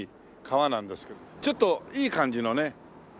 ちょっといい感じのね。